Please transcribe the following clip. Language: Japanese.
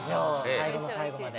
最後の最後まで。